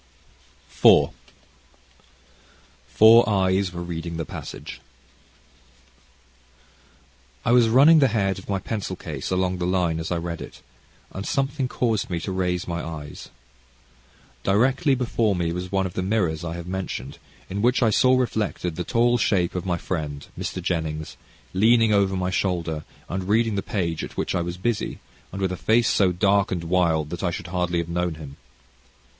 CHAPTER IV Four Eyes Were Reading the Passage I was running the head of my pencil case along the line as I read it, and something caused me to raise my eyes. Directly before me was one of the mirrors I have mentioned, in which I saw reflected the tall shape of my friend, Mr. Jennings, leaning over my shoulder, and reading the page at which I was busy, and with a face so dark and wild that I should hardly have known him.